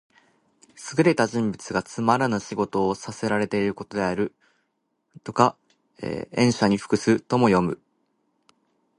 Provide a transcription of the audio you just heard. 優れた人物がつまらぬ仕事をさせらていることである。「驥、塩車に服す」とも読む。